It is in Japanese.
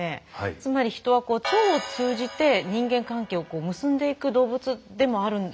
つまりヒトは腸を通じて人間関係を結んでいく動物でもあるんじゃないかなって。